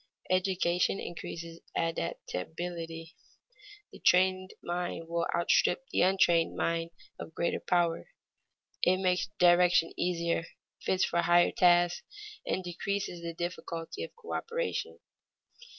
Education increases adaptability; the trained mind will outstrip the untrained mind of greater power. It makes direction easier, fits for higher tasks, and decreases the difficulty of coöperation.